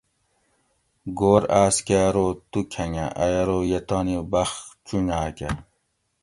گور آس کہ ارو تو کھۤنگہ ائ ارو یہ تانی بخت چونجاۤکہ